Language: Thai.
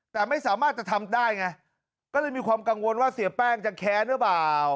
แต่ไม่สามารถจะทำได้ไงก็เลยมีความกังวลว่าเสียแป้งจะแค้นหรือเปล่า